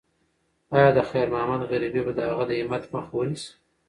ایا د خیر محمد غریبي به د هغه د همت مخه ونیسي؟